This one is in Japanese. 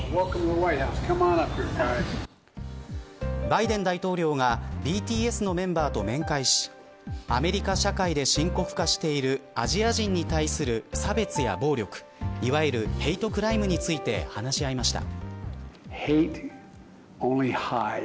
バイデン大統領がＢＴＳのメンバーと面会しアメリカ社会で深刻化しているアジア人に対する差別や暴力、いわゆるヘイトクライムについて話し合いました。